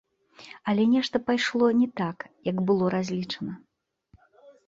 Але нешта пайшло не так, як было разлічана.